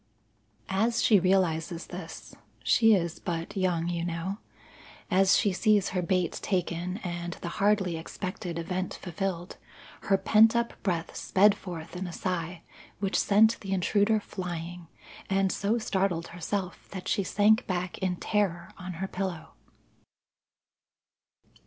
As she realizes this, she is but young, you know, as she sees her bait taken and the hardly expected event fulfilled, her pent up breath sped forth in a sigh which sent the intruder flying, and so startled herself that she sank back in terror on her pillow.